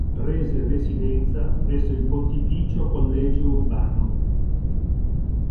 Prese residenza presso il Pontificio Collegio Urbano.